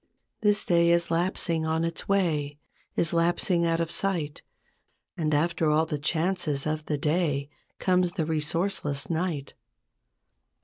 This day is lapsing on its way, Is lapsing out of sight; And after all the chances of the day Comes the resourceless night.